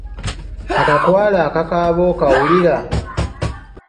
Akakwale akakaaba okawulira?